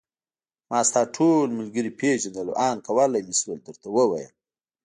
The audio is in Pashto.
ما ستا ټول ملګري پېژندل او آن کولای مې شول درته ووایم.